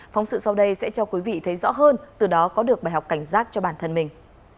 phóng sự sau đây sẽ cho quý vị thấy rõ hơn từ đó có được bài học cảnh giác cho bản thân mình